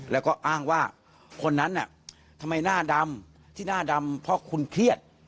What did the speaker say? แล้วก็อ้างว่าคนนั้นน่ะทำไมหน้าดำที่หน้าดำเพราะคุณเครียด